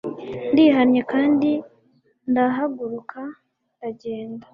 Ndihannye kandi ndahaguruka ndagenda